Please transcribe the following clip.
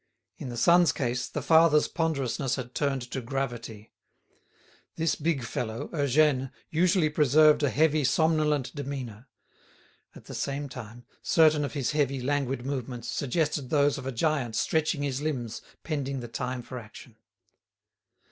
In the son's case, the father's ponderousness had turned to gravity. This big fellow, Eugène, usually preserved a heavy somnolent demeanour. At the same time, certain of his heavy, languid movements suggested those of a giant stretching his limbs pending the time for action.